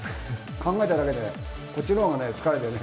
考えただけで、こっちのほうが疲れてね。